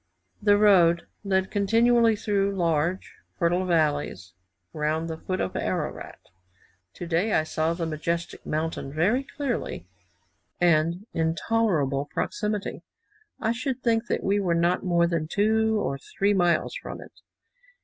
The road led continually through large, fertile valleys round the foot of Ararat. Today I saw the majestic mountain very clearly, and in tolerable proximity. I should think we were not more than two or three miles from it.